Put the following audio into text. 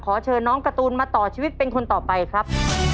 เชิญน้องการ์ตูนมาต่อชีวิตเป็นคนต่อไปครับ